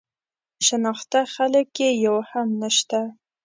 شناخته خلک یې یو هم نه شته.